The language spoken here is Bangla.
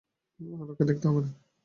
আর ওকে দেখতে হবে না।